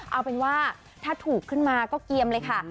เอาเป็นว่าถ้าถูกขึ้นมาก็เกียมเลยค่ะ